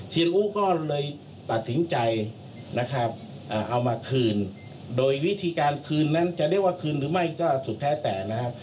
อู้ก็เลยตัดสินใจนะครับเอามาคืนโดยวิธีการคืนนั้นจะเรียกว่าคืนหรือไม่ก็สุดแท้แต่นะครับ